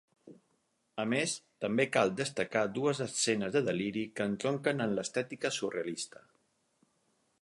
A més, també cal destacar dues escenes de deliri que entronquen amb l'estètica surrealista.